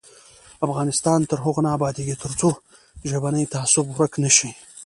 افغانستان تر هغو نه ابادیږي، ترڅو ژبنی تعصب ورک نشي.